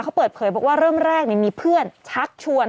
เขาเปิดเผยบอกว่าเริ่มแรกมีเพื่อนชักชวน